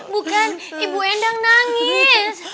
bukan ibu endang nangis